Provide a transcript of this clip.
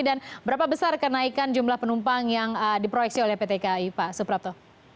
dan berapa besar kenaikan jumlah penumpang yang diproyeksi oleh pt kai pak suprapto